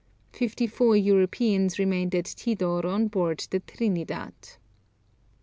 Fifty four Europeans remained at Tidor on board the Trinidad.